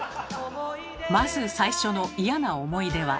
まず最初の嫌な思い出は。